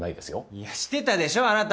いやしてたでしょあなた。